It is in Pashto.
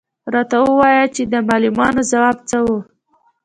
_راته ووايه چې د معلمانو ځواب څه و؟